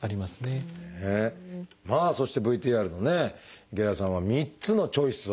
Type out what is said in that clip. まあそしてＶＴＲの池田さんは３つのチョイスを。